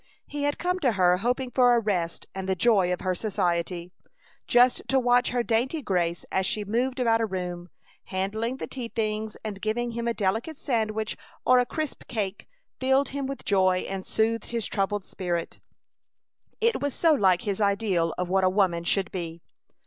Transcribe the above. He had come to her hoping for a rest and the joy of her society. Just to watch her dainty grace as she moved about a room, handling the tea things and giving him a delicate sandwich or a crisp cake, filled him with joy and soothed his troubled spirit; it was so like his ideal of what a woman should be.